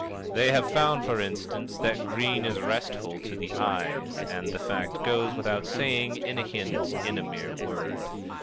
They have found, for instance, that green is restful to the eyes, and the fact goes without saying, in a hint, in a mere word.